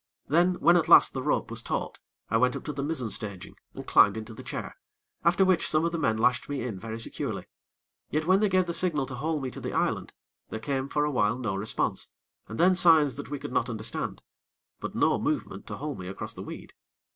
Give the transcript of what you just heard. Then, when at last the rope was taut, I went up to the mizzen staging, and climbed into the chair, after which some of the men lashed me in very securely. Yet when they gave the signal to haul me to the island, there came for awhile no response, and then signs that we could not understand; but no movement to haul me across the weed.